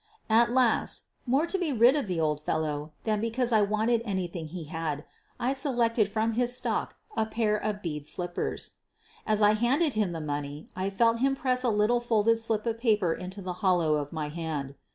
At last — more to be rid of the old fellow than be cause I wanted anything he had — I selected from his stock a pair of bead slippers. As I handed him the money I felt him press a little folded slip of paper into the hollow of my hand.